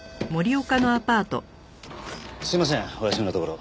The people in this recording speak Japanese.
すいませんお休みのところ。